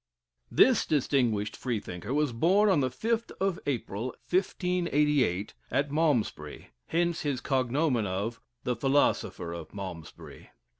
This distinguished Freethinker was born on the 5th of April, 1588, at Malmesbury; hence his cognomen of "the philosopher of Malmesbury."